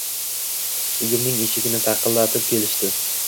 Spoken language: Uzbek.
Uyimning eshigini taqillatib kelishdi